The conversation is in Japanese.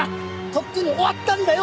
とっくに終わったんだよ！